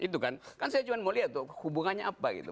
itu kan saya cuma mau lihat tuh hubungannya apa gitu